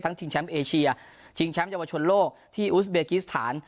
ชิงแชมป์เอเชียชิงแชมป์เยาวชนโลกที่อุสเบกิสถาน